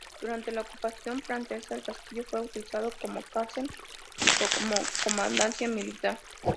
Durante la ocupación francesa el castillo fue utilizado como cárcel y como comandancia militar.